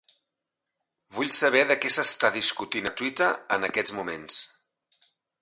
Vull saber de què s'està discutint a Twitter en aquests moments.